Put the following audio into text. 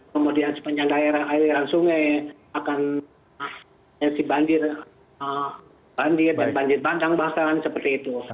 kemudian sepanjang daerah aliran sungai akan si banjir dan banjir bandang bahkan seperti itu